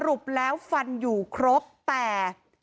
รุปแล้วฟันอยู่ครบแต่